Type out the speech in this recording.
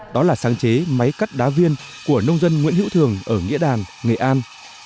đó là sáng chế máy cắt đá viên của nông dân nguyễn hữu thường ở nghĩa đàn nghệ an